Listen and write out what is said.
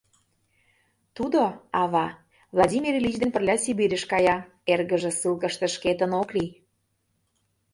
Тудо, ава, Владимир Ильич дене пырля Сибирьыш кая, эргыже ссылкыште шкетын ок лий.